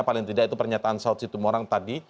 paling tidak itu pernyataan saud siti tumorang tadi